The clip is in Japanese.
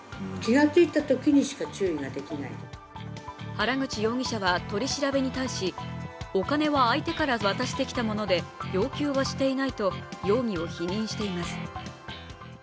原口容疑者は取り調べに対し、お金は相手から渡してきたもので要求はしていないと容疑を否認しています。